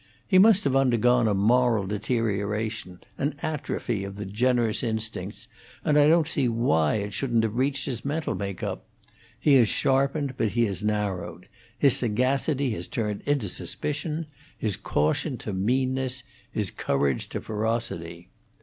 He must have undergone a moral deterioration, an atrophy of the generous instincts, and I don't see why it shouldn't have reached his mental make up. He has sharpened, but he has narrowed; his sagacity has turned into suspicion, his caution to meanness, his courage to ferocity.